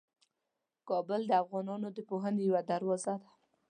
کابل د افغانانو د پوهنې یوه دروازه ده.